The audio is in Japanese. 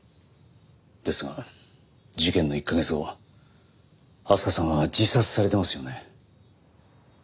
ですが事件の１カ月後明日香さんは自殺されてますよね。